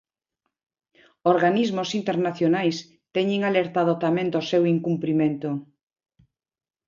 Organismos internacionais teñen alertado tamén do seu incumprimento.